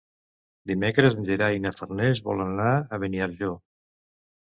Dimecres en Gerai i na Farners volen anar a Beniarjó.